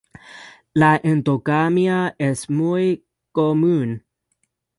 La endogamia es muy común.